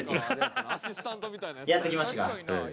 やっと来ましたか。